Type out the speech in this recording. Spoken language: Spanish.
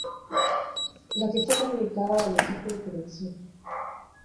La que fue comunicada al equipo de producción.